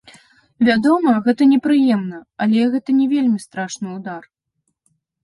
Вядома, гэта непрыемна, але гэта не вельмі страшны ўдар.